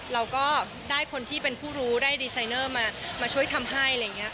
เราก็ได้คนที่เป็นผู้รู้ได้ดีไซน์เนอร์มาช่วยทำให้ค่ะ